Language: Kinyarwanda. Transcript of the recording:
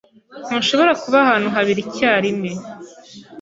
Ntushobora kuba ahantu habiri icyarimwe.